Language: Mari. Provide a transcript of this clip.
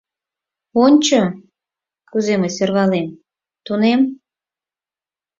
Ончо, кузе мый сӧрвалем, тунем.